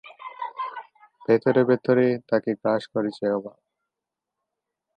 ভেতরে ভেতরে তাকে গ্রাস করেছে অভাব।